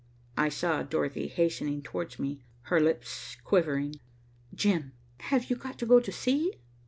I saw Dorothy hastening towards me, her lips quivering. "Jim, have you got to go to sea?"